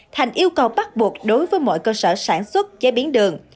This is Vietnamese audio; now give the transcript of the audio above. thành yêu cầu bắt buộc đối với mọi cơ sở sản xuất chế biến đường